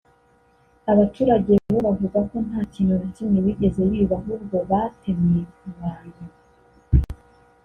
abaturage bo bavuga ko nta kintu na kimwe bigeze biba ahubwo batemye abantu